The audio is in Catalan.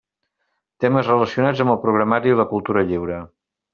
Temes relacionats amb el programari i la cultura lliure.